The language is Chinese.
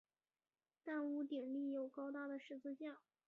但屋顶立有高大的十字架。